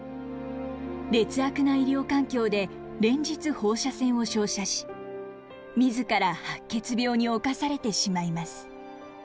劣悪な医療環境で連日放射線を照射し自ら白血病に侵されてしまいます。